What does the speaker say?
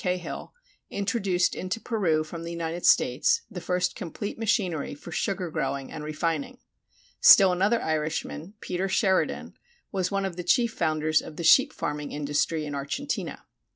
Cahill, introduced into Peru from the United States the first complete machinery for sugar growing and refining. Still another Irishman, Peter Sheridan, was one of the chief founders of the sheep farming industry in Argentina.